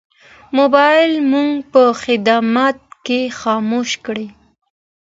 موبایل مو په جومات کې خاموش کړئ.